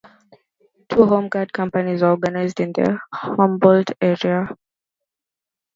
Two home guard companies were organized in the Humboldt area.